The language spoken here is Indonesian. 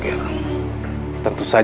choisir terhadap umat tersebut